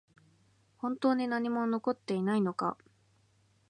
本当に何も残っていないのか？